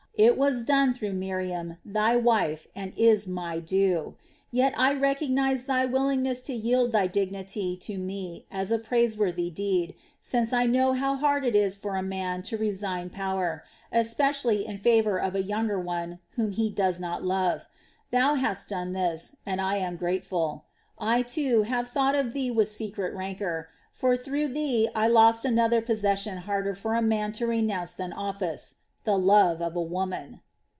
It was done through Miriam, thy wife, and is my due. Yet I recognize thy willingness to yield thy dignity to me as a praiseworthy deed, since I know how hard it is for a man to resign power, especially in favor of a younger one whom he does not love. Thou hast done this, and I am grateful. I, too, have thought of thee with secret rancor; for through thee I lost another possession harder for a man to renounce than office: the love of woman."